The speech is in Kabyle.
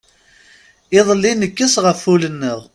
Iḍelli nekkes ɣef wul-nneɣ.